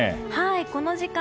この時間。